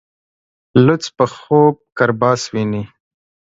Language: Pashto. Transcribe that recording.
لڅ په خوب کرباس ويني.